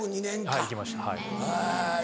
はい行きましたはい。